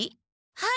はい。